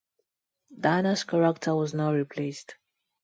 Dana's character was not replaced.